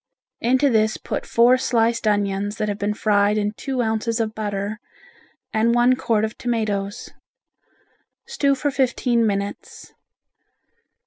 Into this put four sliced onions that have been fried in two ounces of butter, and one quart of tomatoes. Stew for fifteen minutes.